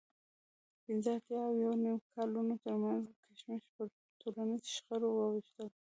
د پینځه اتیا او یو نوي کالونو ترمنځ کشمکش پر ټولنیزو شخړو واوښتلو